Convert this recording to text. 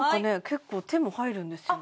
結構手も入るんですよ